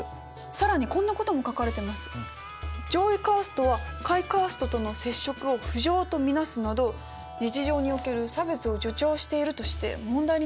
上位カーストは下位カーストとの接触を不浄と見なすなど日常における差別を助長しているとして問題になってるようです。